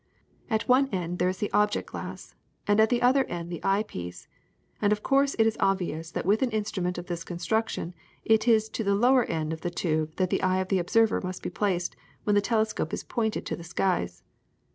At one end there is the object glass, and at the other end the eye piece, and of course it is obvious that with an instrument of this construction it is to the lower end of the tube that the eye of the observer must be placed when the telescope is pointed to the skies.